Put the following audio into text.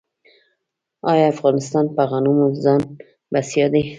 آیا افغانستان په غنمو ځان بسیا دی؟